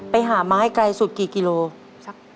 ไปหาไม้ไกลสุดกี่กิโล